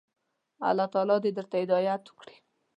الله تعالی دي درته هدايت وکړي.